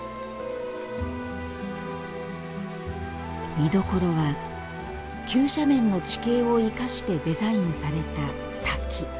見どころは、急斜面の地形を生かしてデザインされた滝。